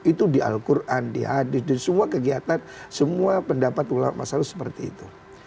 itu di al quran di hadis di semua kegiatan semua pendapat ulama masyarakat seperti itu